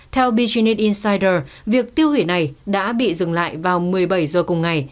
theo bgnate insider việc tiêu hủy này đã bị dừng lại vào một mươi bảy giờ cùng ngày